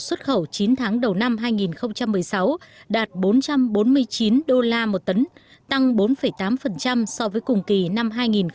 xuất khẩu chín tháng đầu năm hai nghìn một mươi sáu đạt bốn trăm bốn mươi chín đô la một tấn tăng bốn tám so với cùng kỳ năm hai nghìn một mươi bảy